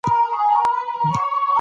ارمان کاکا په ورو ورو روان دی.